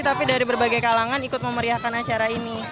tapi dari berbagai kalangan ikut memeriahkan acara ini